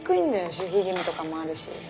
守秘義務とかもあるし。